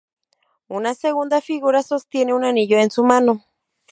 Una segunda figura sostiene un anillo en su mano.